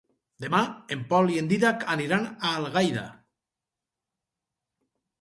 Demà en Pol i en Dídac aniran a Algaida.